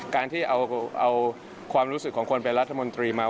การที่เอาความรู้สึกของคนเป็นรัฐมนตรีมา